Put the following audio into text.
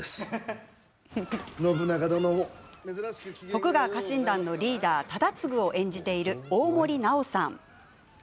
徳川家臣団のリーダー忠次を演じている大森南朋さん。